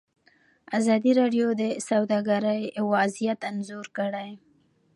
ازادي راډیو د سوداګري وضعیت انځور کړی.